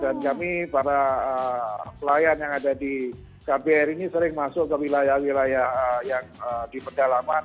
dan kami para pelayan yang ada di kbri ini sering masuk ke wilayah wilayah yang di pedalaman